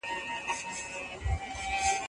چې ټولو ته پکې خیر وي.